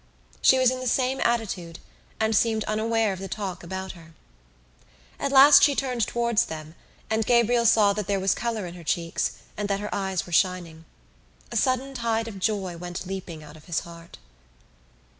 She was in the same attitude and seemed unaware of the talk about her. At last she turned towards them and Gabriel saw that there was colour on her cheeks and that her eyes were shining. A sudden tide of joy went leaping out of his heart.